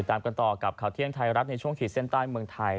ตามกันต่อกับข่าวเที่ยงไทยรัฐในช่วงขีดเส้นใต้เมืองไทย